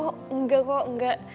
oh enggak kok enggak